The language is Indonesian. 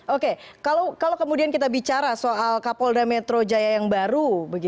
oke kalau kemudian kita bicara soal kapolda metro jaya yang baru